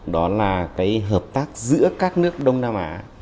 đó là cái hợp tác giữa các nước đông nam á